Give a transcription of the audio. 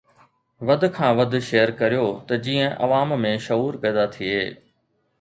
وڌ کان وڌ شيئر ڪريو ته جيئن عوام ۾ شعور پيدا ٿئي